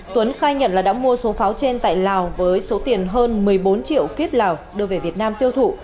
tuấn khai nhận là đã mua số pháo trên tại lào với số tiền hơn một mươi bốn triệu kiếp lào đưa về việt nam tiêu thụ